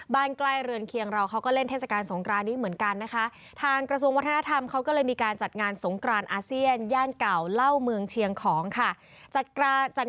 บ้านใกล้เรือนเคียงเราก็เล่นทเทศกาลสงครานนี้เหมือนกัน